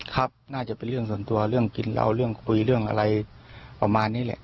ครับน่าจะเป็นเรื่องส่วนตัวเรื่องกินเหล้าเรื่องคุยเรื่องอะไรประมาณนี้แหละ